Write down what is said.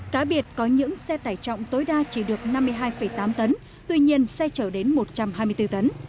cá biệt có những xe tải trọng tối đa chỉ được năm mươi hai tám tấn tuy nhiên xe chở đến một trăm hai mươi bốn tấn